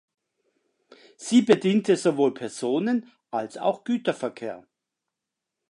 Sie bediente sowohl Personen- als auch Güterverkehr.